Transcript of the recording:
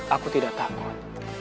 aku tidak takut